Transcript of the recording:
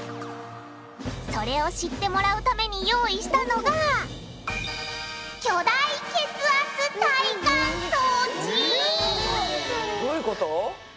それを知ってもらうために用意したのがどういうこと？